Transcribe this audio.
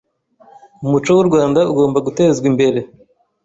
umuco w’u Rwanda ugomba gutezwa imbere